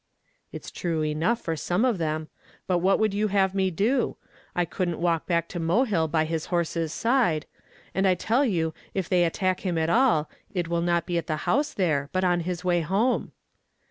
"It's true enough for some of them; but what would you have me do? I couldn't walk back to Mohill by his horse's side; and I tell you if they attack him at all, it will not be at the house there, but on his way home."